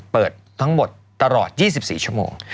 เปิดทั้งหมดตลอด๒๔ชั่วโมง